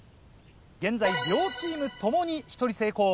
現在両チーム共に１人成功。